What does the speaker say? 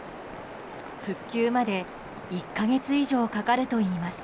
復旧まで１か月以上かかるといいます。